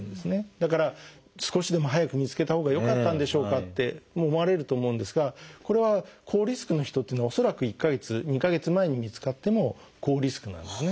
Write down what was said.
だから少しでも早く見つけたほうがよかったんでしょうかって思われると思うんですがこれは高リスクの人っていうのは恐らく１か月２か月前に見つかっても高リスクなんですね。